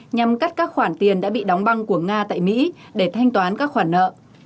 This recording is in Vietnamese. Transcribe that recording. nhằm cắt các khoản tiền đã bị đóng băng của nga tại mỹ để thanh toán các khoản nợ